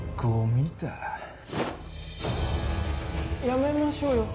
やめましょうよ